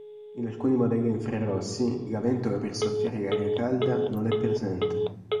In alcuni modelli a infrarossi, la ventola per soffiare l'aria calda non è presente.